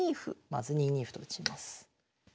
まず２二歩と打ちます。